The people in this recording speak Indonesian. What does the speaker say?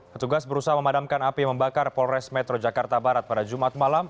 petugas berusaha memadamkan api membakar polres metro jakarta barat pada jumat malam